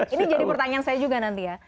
ini jadi pertanyaan saya juga nanti ya